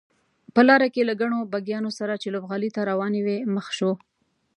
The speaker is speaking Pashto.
په لاره کې له ګڼو بګیانو سره چې لوبغالي ته روانې وې مخ شوو.